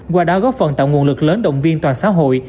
qua đó góp phần tạo nguồn lực lớn động viên toàn xã hội